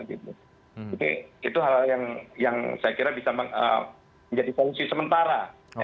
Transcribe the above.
itu hal yang saya kira bisa menjadi solusi sementara